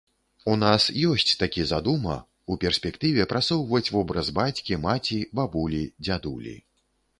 У нас ёсць-такі задума, у перспектыве прасоўваць вобраз бацькі, маці, бабулі, дзядулі.